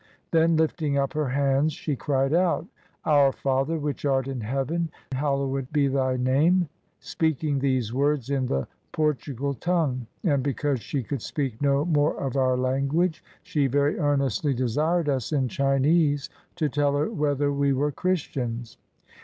Then, lifting up her hands, she cried out, "Our Father, which art in Heaven, hal lowed be thy name," speaking these words in the Por tugal tongue; and because she could speak no more of our language, she very earnestly desired us in Chinese to tell her whether we were Christians.